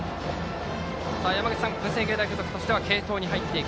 山口さん、文星芸大付属としては継投に入っていく。